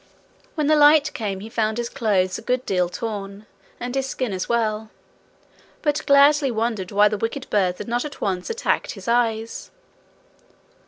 When the light came he found his clothes a good deal torn and his skin as well, but gladly wondered why the wicked birds had not at once attacked his eyes.